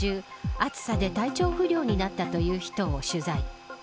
暑さで体調不良になったという人を取材。